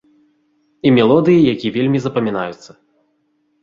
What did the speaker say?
І мелодыі, які вельмі запамінаюцца.